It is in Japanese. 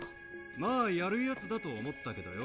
まあやるヤツだと思ったけどよ。